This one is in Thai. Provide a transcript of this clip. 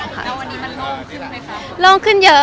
แล้ววันนี้มันโล่งขึ้นไหมคะ